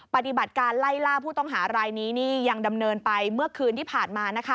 ปฏิบัติการไล่ล่าผู้ต้องหารายนี้นี่ยังดำเนินไปเมื่อคืนที่ผ่านมานะคะ